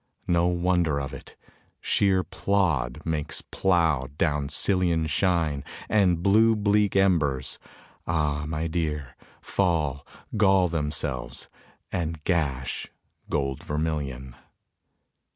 No wonder of it: shéer plód makes plough down sillion Shine, and blue bleak embers, ah my dear, Fall, gall themselves, and gash gold vermillion.